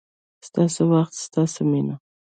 ستاسو وخت، ستاسو مینه